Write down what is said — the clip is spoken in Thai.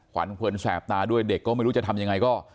เพลินแสบตาด้วยเด็กก็ไม่รู้จะทำยังไงก็